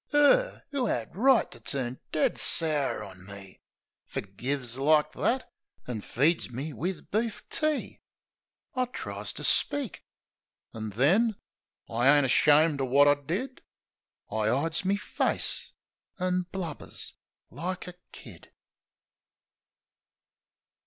'Er ! 'do 'ad right to turn dead sour on me, Fergives like that, an' feeds me wif beef tea ... I tries to speak; An' then — I ain't ashamed o' wot I did — I 'ides me face ... an' blubbers like a kid.